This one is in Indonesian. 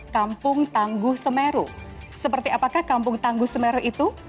kampung tangguh semeru seperti apakah kampung tangguh semeru itu